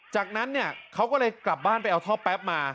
จากนั้นเนี่ยเขาก็เลยกลับบ้านไปเอาท่อแป๊บมา